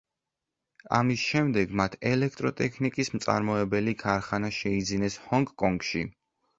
ამის შემდეგ მათ ელექტროტექნიკის მწარმოებელი ქარხანა შეიძინეს ჰონგ-კონგში.